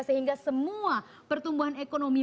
sehingga semua pertumbuhan ekonomi